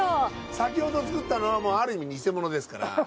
先ほど作ったのはある意味偽物ですから。